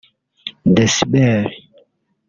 Decibel